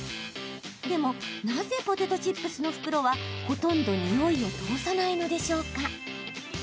でも、なぜポテトチップスの袋はほとんど、においを通さないのでしょうか？